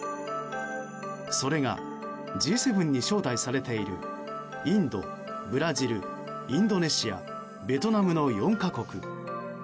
それがＧ７に招待されているインド、ブラジルインドネシア、ベトナムの４か国。